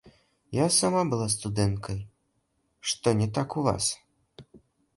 Я сама была студэнткай, што не так у вас?